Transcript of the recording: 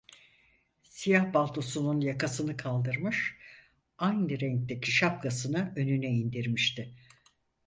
Siyah paltosunun yakasını kaldırmış, aynı renkteki şapkasını önüne indirmişti.